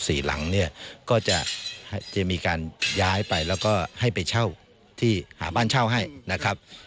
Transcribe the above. สี่หลังเนี่ยก็จะจะมีการย้ายไปแล้วก็ให้ไปเช่าที่หาบ้านเช่าให้นะครับ